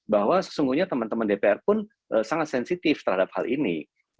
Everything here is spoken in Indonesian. bahwa sesungguhnya teman teman dpr pun sangat sensitif terhadap hal ini